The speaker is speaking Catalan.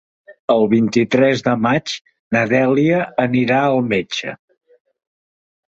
El vint-i-tres de maig na Dèlia anirà al metge.